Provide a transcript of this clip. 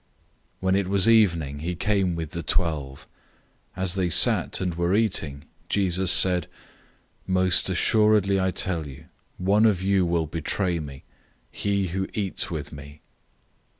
014:017 When it was evening he came with the twelve. 014:018 As they sat and were eating, Jesus said, "Most certainly I tell you, one of you will betray me he who eats with me."